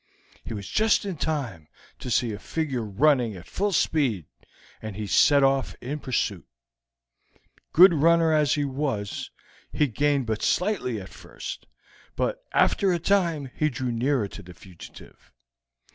He was just in time to see a figure running at full speed, and he set off in pursuit. Good runner as he was, he gained but slightly at first, but after a time he drew nearer to the fugitive.